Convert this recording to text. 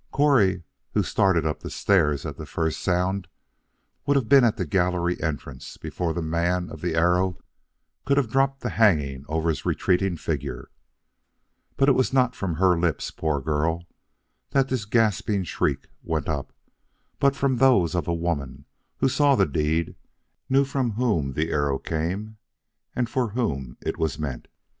Correy, who started up the stairs at the first sound, would have been at the gallery entrance before the man of the arrow could have dropped the hanging over his retreating figure. But it was not from her lips, poor girl, that this gasping shriek went up, but from those of the woman who saw the deed and knew from whom the arrow came and for whom it was meant.